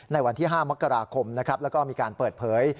ในวันที่๕มกราคมนะครับแล้วก็มีการเปิดเผย